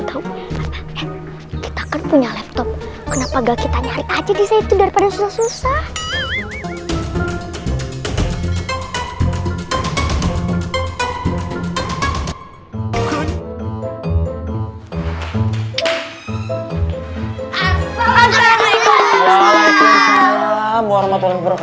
daun kita kan punya laptop kenapa gak kita nyari aja di situ daripada susah susah